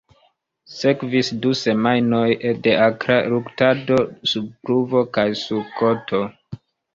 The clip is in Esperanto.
Sekvis du semajnoj de akra luktado sub pluvo kaj sur koto.